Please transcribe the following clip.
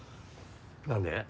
何で？